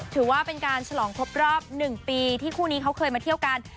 ถือว่าเป็นการฉลองครบรอบ๑ปีที่คู่นี้เขาเคยมาเที่ยวกัน